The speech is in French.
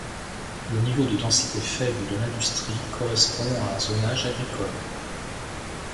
Le niveau de densité faible de l'industrie correspond à un zonage agricole.